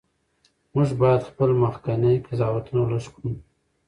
موږ باید خپل مخکني قضاوتونه لږ کړو.